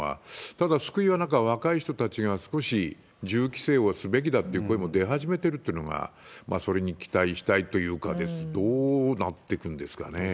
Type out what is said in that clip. ただ、救いはなんか若い人たちが少し銃規制をすべきだっていう声も出始めているというのが、それに期待したいというか、どうなっていくんですかね。